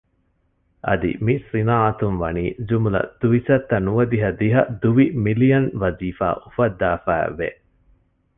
އަދި މި ޞިނާޢަތުން ވަނީ ޖުމުލަ ދުވިސައްތަ ނުވަދިހަ ދުވި މިލިއަން ވަޒީފާ އުފައްދާފައި ވެ